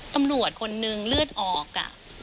ตำรวจคนนึงเลือดออก